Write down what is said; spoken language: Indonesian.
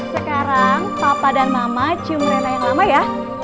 sekarang papa dan mama cium rena yang lama ya